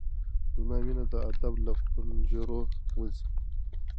زما مينه د ادب له پنجرو وځي